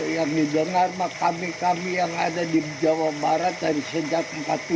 yang didengar maka kami kami yang ada di jawa barat dari sejak empat puluh lima